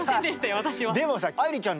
私は。